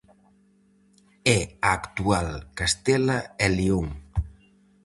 É a actual Castela e León.